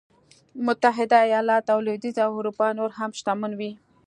متحده ایالت او لوېدیځه اروپا نور هم شتمن وي.